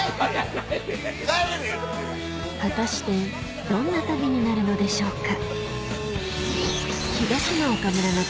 果たしてどんな旅になるのでしょうか